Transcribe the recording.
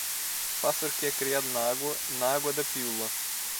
Pássaro que é criado na água, na água da piula.